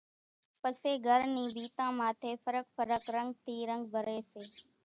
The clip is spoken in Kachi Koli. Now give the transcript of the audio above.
پسي گھر نِي ڀينتان ماٿي ڦرق ڦرق رنڳ ٿي رنڳ ڀري سي